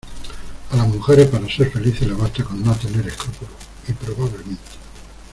a las mujeres para ser felices les basta con no tener escrúpulos, y probablemente